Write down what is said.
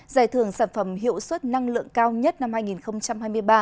giải thưởng sản phẩm hiệu suất năng lượng cao nhất năm hai nghìn hai mươi ba